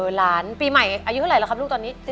หลานปีใหม่อายุเท่าไหร่แล้วครับลูกตอนนี้